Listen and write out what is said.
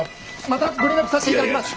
またご連絡さしていただきます。